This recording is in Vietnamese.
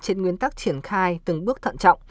trên nguyên tắc triển khai từng bước thận trọng